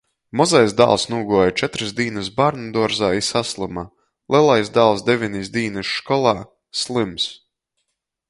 Mozais dāls nūguoja četrys dīnys bārnuduorzā i saslyma, lelais dāls devenis dīnys školā, slyms.